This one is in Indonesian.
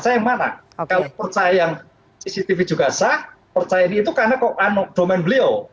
kalau percaya yang cctv juga sah percaya ini itu karena domain beliau